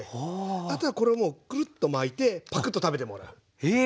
あとはこれをもうクルッと巻いてパクッと食べてもらう。え！